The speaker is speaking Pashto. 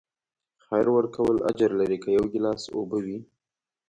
خیر ورکول اجر لري، که یو ګیلاس اوبه وي.